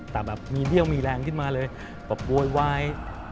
แต่มีเบี้ยวมีแรงขึ้นมาเลยโว้ยไว้